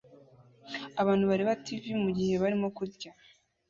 Abantu bareba TV mugihe barimo kurya